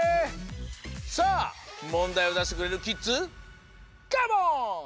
さあもんだいをだしてくれるキッズカモーン！